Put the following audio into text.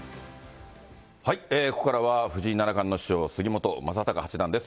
ここからは藤井七冠の師匠、杉本昌隆八段です。